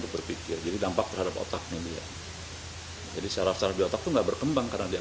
berpikir jadi dampak terhadap otaknya dia jadi syaraf syaraf otaknya berkembang karena dia